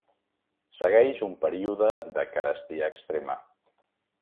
Segueix un període de carestia extrema.